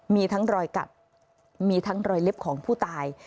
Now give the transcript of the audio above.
มีทั้งรอยกัดมีทั้งรอยเล็บของผู้ตาย